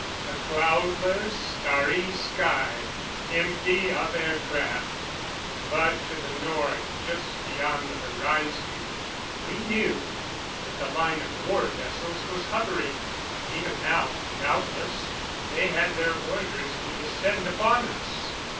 A cloudless, starry sky. Empty of air craft; but to the north just below the horizon, we knew that the line of war vessels was hovering. Even now, doubtless, they had their orders to descend upon us.